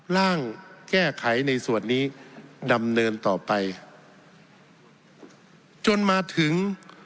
ร่างแก้ไขในส่วนนี้ดำเนินต่อไปจนมาถึง